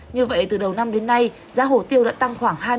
như vậy từ đầu năm đến nay giá hổ tiêu đã tăng khoảng hai mươi năm